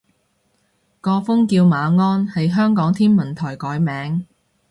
個風叫馬鞍，係香港天文台改名